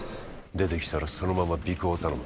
出てきたらそのまま尾行を頼む